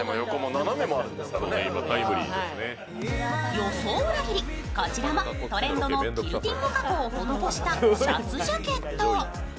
予想を裏切り、こちらもトレンドのキルティング加工を施したシャツジャケット。